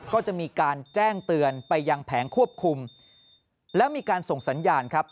ก็จะมีการแจ้งเตือนไปยังแผงควบคุมและมีการส่งสัญญาณครับ